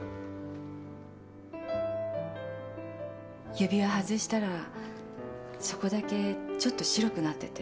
指輪外したらそこだけちょっと白くなってて。